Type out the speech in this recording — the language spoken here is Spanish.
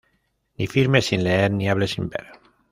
Ni firmes sin leer, ni hables sin ver